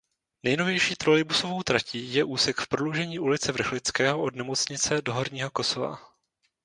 Nejnovější trolejbusovou tratí je úsek v prodloužení ulice Vrchlického od nemocnice do Horního Kosova.